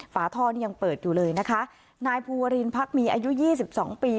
ฝาท่อนี่ยังเปิดอยู่เลยนะคะนายภูวรินพักมีอายุยี่สิบสองปี